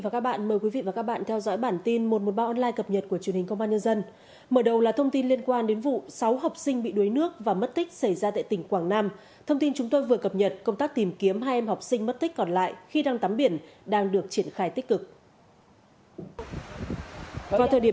các bạn hãy đăng ký kênh để ủng hộ kênh của chúng mình nhé